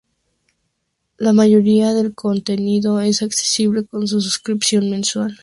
La mayoría del contenido es accesible con una suscripción mensual.